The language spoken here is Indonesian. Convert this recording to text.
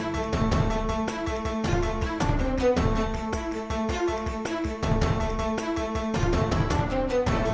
sampai jumpa di video selanjutnya